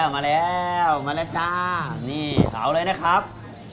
มาแล้วเอาเลยนะครับ